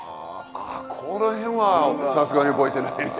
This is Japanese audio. ああこの辺はさすがに覚えてないね。